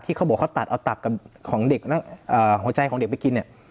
ที่เขาบอกเขาตัดเอาตักของหัวใจของเด็กไปกิน